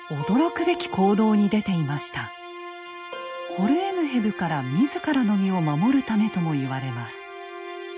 ホルエムヘブから自らの身を守るためとも言われます。